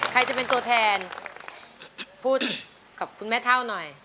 ใครจะเป็นตัวแทนพูดกับคุณแม่เท่าหน่อย